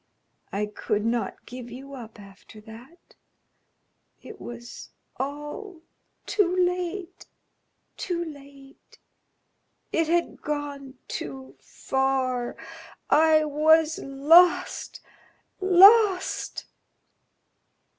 I could not give you up after that it was all too late, too late; it had gone too far. I was lost! lost!"